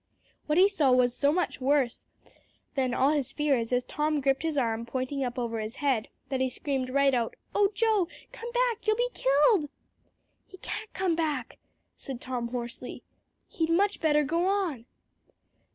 What he saw was so much worse than all his fears as Tom gripped his arm pointing up over his head, that he screamed right out, "Oh Joe, come back, you'll be killed!" "He can't come back," said Tom hoarsely. "He'd much better go on."